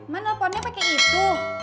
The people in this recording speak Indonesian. mak teleponnya apa kayak gitu